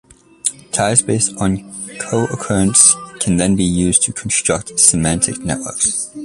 Ties based on co-occurrence can then be used to construct semantic networks.